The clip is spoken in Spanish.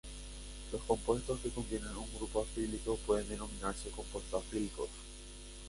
Los compuestos que contienen un grupo acrílico pueden denominarse "compuestos acrílicos".